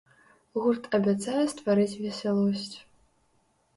Гурт абяцае стварыць весялосць!